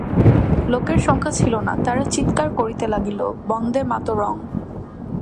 লোকের সংখ্যা ছিল না, তারা চীৎকার করতে লাগল, বন্দেমাতরং।